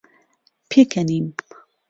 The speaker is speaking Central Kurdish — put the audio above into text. پێکەنیم.